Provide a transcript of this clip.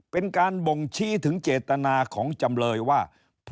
เป็นการบ่งชี้ถึงเจตนาของจำเลยว่า